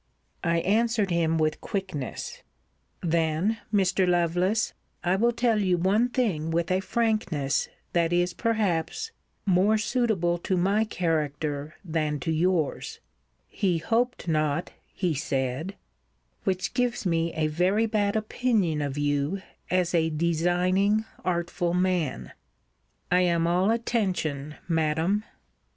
I answered him with quickness Then, Mr. Lovelace, I will tell you one thing with a frankness, that is, perhaps, more suitable to my character than to yours, [He hoped not, he said,] which gives me a very bad opinion of you, as a designing, artful man. I am all attention, Madam.